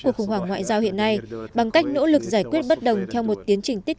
cuộc khủng hoảng ngoại giao hiện nay bằng cách nỗ lực giải quyết bất đồng theo một tiến trình tiết